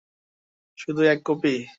শুধু এক কপি?